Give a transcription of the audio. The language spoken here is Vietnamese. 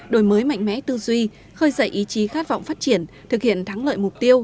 đổi mới mạnh mẽ tư duy khơi dậy ý chí khát vọng phát triển thực hiện thắng lợi mục tiêu